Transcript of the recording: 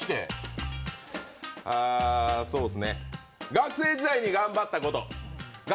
学生時代に頑張ったこと。